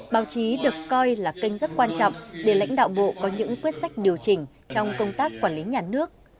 báo chí được coi là kênh rất quan trọng để lãnh đạo bộ có những quyết sách điều chỉnh trong công tác quản lý nhà nước